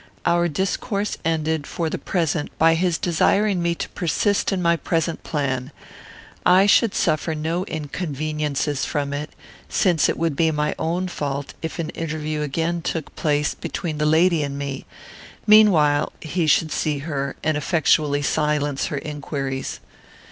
Our discourse ended, for the present, by his desiring me to persist in my present plan; I should suffer no inconveniences from it, since it would be my own fault if an interview again took place between the lady and me; meanwhile he should see her and effectually silence her inquiries.